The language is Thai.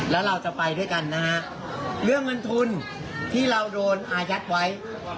แล้วเราจะไปด้วยกันนะฮะเรื่องเงินทุนที่เราโดนอายัดไว้